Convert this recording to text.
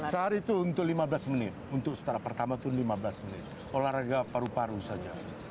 sehari itu untuk lima belas menit untuk setara pertama itu lima belas menit olahraga paru paru saja